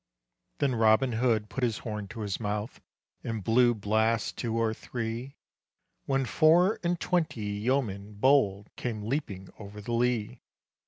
Then Robin Hood put his horn to his mouth, And blew blasts two or three; When four and twenty yeomen bold Came leaping over the lea.